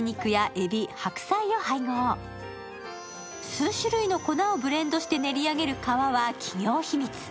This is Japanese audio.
数種類の粉をブレンドして練り上げる皮は企業秘密。